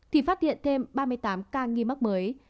thì phát hiện thêm ba mươi tám ca nghi mắc mới